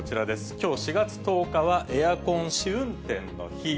きょう４月１０日は、エアコン試運転の日。